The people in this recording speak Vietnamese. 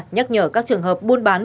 nhắc nhở các trường hợp buôn bán